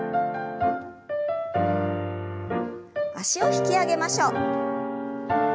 脚を引き上げましょう。